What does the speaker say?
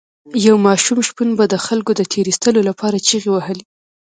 یو ماشوم شپون به د خلکو د تیر ایستلو لپاره چیغې وهلې.